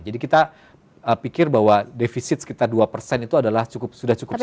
jadi kita pikir bahwa defisit sekitar dua itu adalah sudah cukup sehat